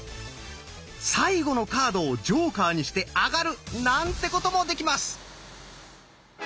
最後のカードをジョーカーにしてあがる！なんてこともできます！